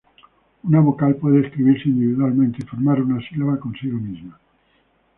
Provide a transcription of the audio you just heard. Una vocal puede escribirse individualmente y formar una sílaba consigo misma.